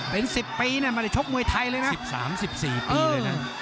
เป็น๑๐ปีไม่ได้ชกมวยไทยเลยนะ๑๓๑๔ปีเลยนะ